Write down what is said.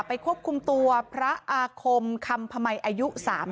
ควบคุมตัวพระอาคมคำพมัยอายุ๓๐